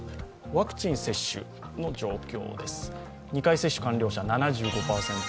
ワクチン接種の状況です。